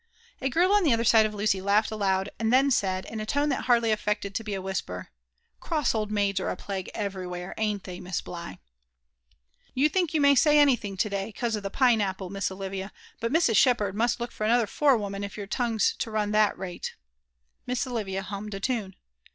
A girl on the olher side of Lucy laughed aloud, and then said, in A tone ttiat hardly aiVecled to be a whisper, Cross old maids are a plague everywhere, a*n'l ihey, Miss Bligh? "You think you may say anything lo day, 'cause of the pine apple. Miss Olivia; but Mrs. Shejdierd must look for another fore woman if your tongue's to run (hat rale." Miss Olivia hummed a tune.